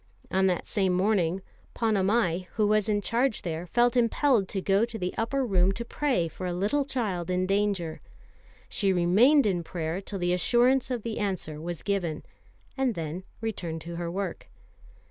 On that same morning, Ponnamal, who was in charge there, felt impelled to go to the upper room to pray for a little child in danger. She remained in prayer till the assurance of the answer was given, and then returned to her work.